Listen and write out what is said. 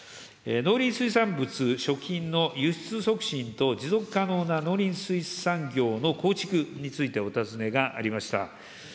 農林水産物・食品の輸出促進と持続可能な農林水産業の構築についてお尋ねがありました。